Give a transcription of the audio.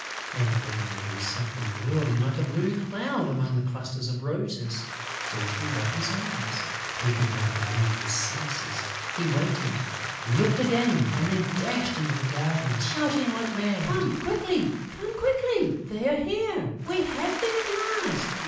And then there was something whirling like a blue cloud among the clusters of roses. Tyltyl rubbed his eyes; he could not believe his senses. He waited, looked again and then dashed into the garden, shouting like mad: "Come quickly!... Come quickly!... They are here!... We have them at last!...